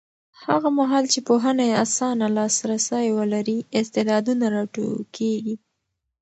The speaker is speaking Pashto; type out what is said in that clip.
هغه مهال چې پوهنه اسانه لاسرسی ولري، استعدادونه راټوکېږي.